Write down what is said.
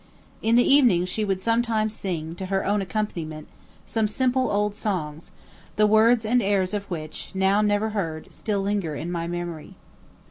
In the evening she would sometimes sing, to her own accompaniment, some simple old songs, the words and airs of which, now never heard, still linger in my memory.